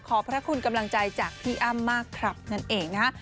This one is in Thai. พระคุณกำลังใจจากพี่อ้ำมากครับนั่นเองนะฮะ